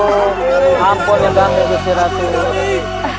ampun ya tuhan gusti ratu